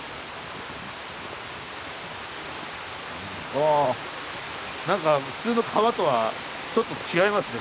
あ何か普通の川とはちょっと違いますね